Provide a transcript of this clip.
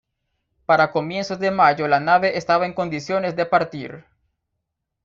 Para comienzos de mayo la nave estaba en condiciones de partir.